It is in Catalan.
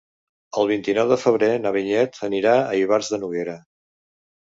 El vint-i-nou de febrer na Vinyet anirà a Ivars de Noguera.